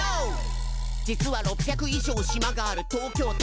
「実は６００以上島がある東京都」